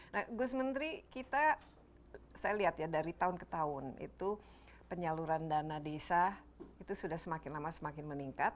nah gus menteri kita saya lihat ya dari tahun ke tahun itu penyaluran dana desa itu sudah semakin lama semakin meningkat